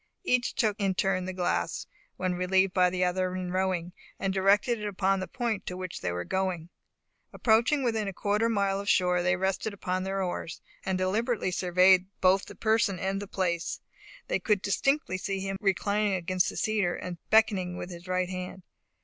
Each took in turn the glass, when relieved by the other in rowing, and directed it upon the point to which they were going. Approaching within a quarter of a mile of shore, they rested upon their oars, and deliberately surveyed both the person and the place. They could distinctly see him reclining against the cedar, and beckoning with his right hand.